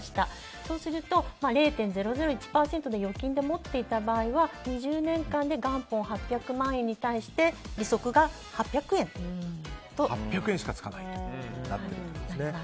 そうすると、０．００１％の預金で持っていた場合は２０年間で元本８００万円に対して８００円しかつかないんだ。